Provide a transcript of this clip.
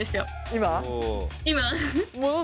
今。